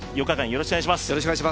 ４日間、よろしくお願いします。